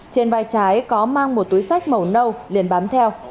trên vai trái có mang một túi sách màu nâu liền bám theo